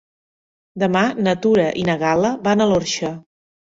Demà na Tura i na Gal·la van a l'Orxa.